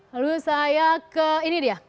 lalu saya ke ini dia